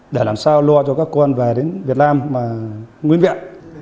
để làm sao lo cho các con về đến việt nam nguyên vẹn